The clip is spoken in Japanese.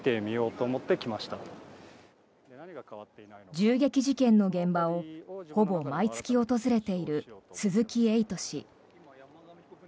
銃撃事件の現場を、ほぼ毎月訪れている鈴木エイト氏。